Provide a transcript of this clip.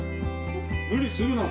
無理するなって。